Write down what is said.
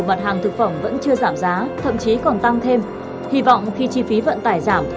mặt hàng thực phẩm vẫn chưa giảm giá thậm chí còn tăng thêm hy vọng khi chi phí vận tải giảm